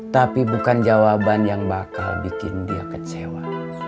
tapi bukan jawaban yang bakal bikin dia kecewa